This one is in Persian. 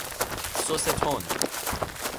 سس تند